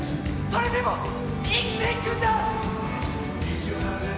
それでも生きていくんだ。